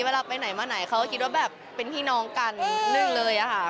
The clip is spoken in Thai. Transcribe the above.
เวลาไปไหนมาไหนเขาก็คิดว่าแบบเป็นพี่น้องกันหนึ่งเลยอะค่ะ